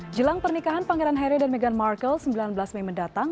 jelang pernikahan pangeran harry dan meghan markle sembilan belas mei mendatang